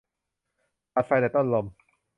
ตัดไฟแต่ต้นลม